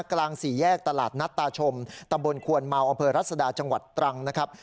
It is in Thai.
กลางสี่แยกตลาดนัดตาชมตำบลควนเมาอำเภอรัศดาจังหวัดตรังนะครับ